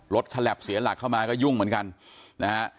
ฉลับเสียหลักเข้ามาก็ยุ่งเหมือนกันนะฮะ